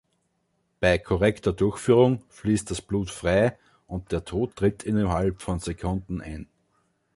Bei korrekter Durchführung fließt das Blut frei und der Tod tritt innerhalb von Sekunden ein.